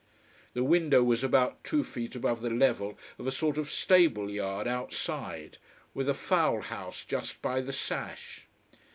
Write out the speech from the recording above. The window was about two feet above the level of a sort of stable yard outside, with a fowl house just by the sash.